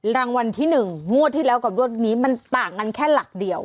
รางวัลที่๑งวดที่แล้วกับงวดนี้มันต่างกันแค่หลักเดียว